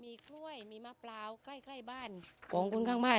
มีกล้วยมีมะเปล่าใกล้ใกล้บ้านของคนข้างบ้าน